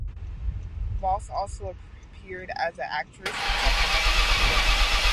Voss also appeared as an actress in several Norwegian films.